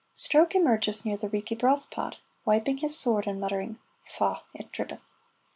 Stroke emerges near the Reekie Broth Pot, wiping his sword and muttering, "Faugh! it drippeth!"